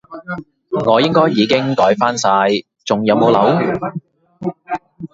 我應該已經改返晒，仲有冇漏？